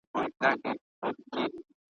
خدای به راولي دا ورځي زه به اورم په وطن کي ,